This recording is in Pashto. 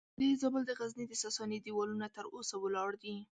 د زابل د غزنیې د ساساني دیوالونه تر اوسه ولاړ دي